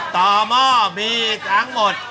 หม้อมีทั้งหมด